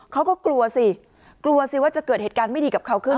เขาก็กลัวสิกลัวสิว่าจะเกิดเหตุการณ์ไม่ดีกับเขาขึ้น